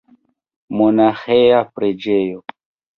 Monaĥeja preĝejo.